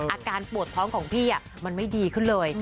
อาการปวดท้องของพี่มันไม่ดีขึ้นเลย